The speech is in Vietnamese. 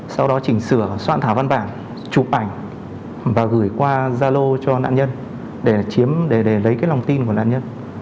sau đó chỉnh sửa soạn thả văn bản chụp ảnh và gửi qua gia lô cho nạn nhân để lấy cái lòng tin của nạn nhân